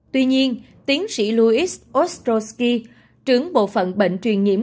tuy nhiên tiến sĩ louis ostrosky trưởng bộ phận bệnh truyền nhiễm